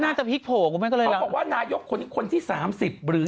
เขาบอกว่านายกคนที่๓๐หรือ๒๙